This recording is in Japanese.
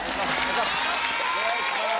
お願いします